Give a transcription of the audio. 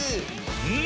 うん！